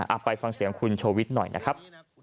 ไปฟังเสียงคุณโชวิตหน่อยนะครับ